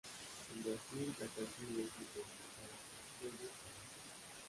En Brasil, la canción es interpretada por Edu Falaschi.